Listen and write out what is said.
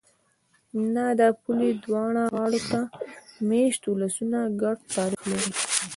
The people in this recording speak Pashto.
نه! د پولې دواړو غاړو ته مېشت ولسونه ګډ تاریخ لري.